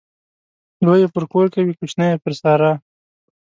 لوى يې پر کور کوي ، کوچنى يې پر سارا.